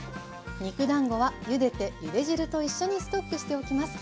肉だんごはゆでてゆで汁と一緒にストックしておきます。